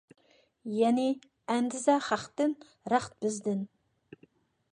يەنى، ئەندىزە خەقتىن، رەخت بىزدىن.